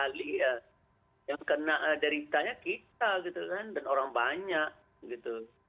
nasiah dari para para ahli ya yang kena deritanya kita gitu kan dan orang banyak gitu